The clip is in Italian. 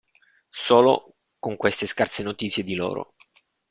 Solo con queste scarse notizie di loro.